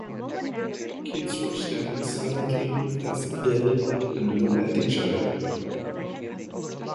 Kids were standing silently as dead and looked at each other.